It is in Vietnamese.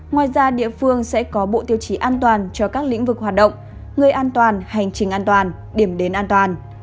ngoài ra địa phương sẽ có bộ tiêu chí an toàn cho các lĩnh vực hoạt động nơi an toàn hành trình an toàn điểm đến an toàn